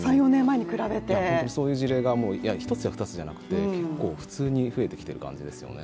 そういう事例が１つや２つじゃなくて結構普通に増えてきている感じですよね。